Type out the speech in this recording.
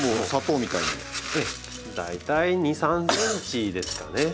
大体２３ｃｍですかね。